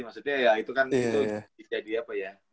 maksudnya ya itu kan jadi apa ya